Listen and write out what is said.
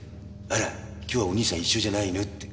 あら今日はお義兄さん一緒じゃないの？って。